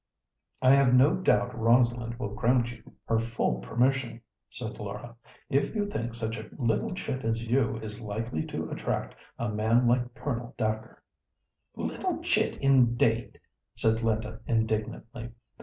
"I have no doubt Rosalind will grant you her full permission," said Laura, "if you think such a little chit as you is likely to attract a man like Colonel Dacre." "Little chit, indeed!" said Linda, indignantly.